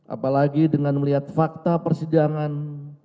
apalagi dengan melihat fakta persidangan